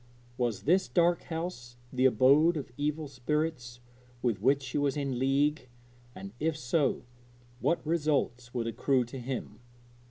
Was this dark house the abode of evil spirits with which she was in league? and if so, what result would accrue to him?